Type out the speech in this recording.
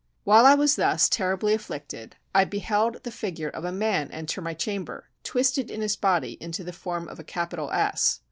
While I was thus terribly afflicted, I beheld the figure of a man enter my chamber, twisted in his body into the form of a capital S.